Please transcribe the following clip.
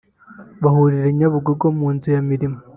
bahurira i Nyabugogo mu nzu ya Mirimo